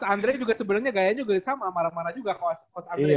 coach andre juga sebenernya gayanya sama marah marah juga coach andre kan